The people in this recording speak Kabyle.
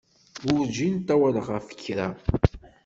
Werǧin ṭṭawaleɣ ɣef kra.